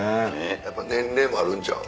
やっぱ年齢もあるんちゃう？